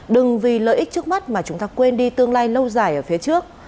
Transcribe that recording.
đừng vì lợi ích trước mắt mà chúng ta quên đi tương lai lâu dài ở phía trước